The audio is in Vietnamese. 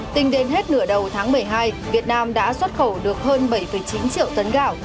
tính đến hết nửa đầu tháng một mươi hai việt nam đã xuất khẩu được hơn bảy chín triệu tấn gạo